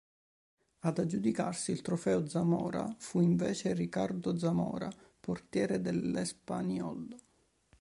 Ad aggiudicarsi il trofeo Zamora fu invece Ricardo Zamora, portiere dell'Espanyol.